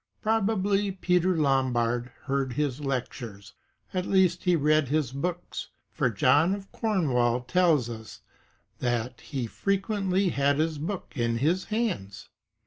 Probably Peter Lombard heard his lectures,^ at least he read his books, for John of Cornwall tells us that "he frequently had his book in his hands."